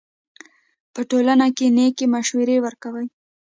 په ټولنه کښي نېکي مشورې ورکوئ!